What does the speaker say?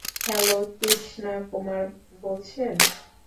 Hello -Krishna Kumar বলছেন?